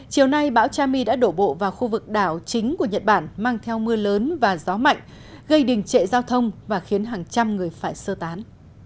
chiều nay bão chami đã đổ bộ vào khu vực đảo chính của nhật bản mang theo mưa lớn và gió mạnh gây đình trệ giao thông và khiến hàng trăm người phải sơ tán